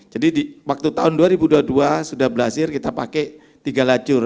jadi waktu tahun dua ribu dua puluh dua sudah berhasil kita pakai tiga lacur